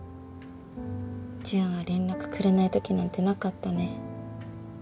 ジュンは連絡くれないときなんてなかったね。